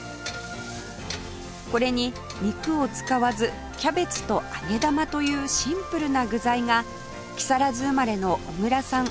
これに肉を使わずキャベツと揚げ玉というシンプルな具材が木更津生まれの小倉さん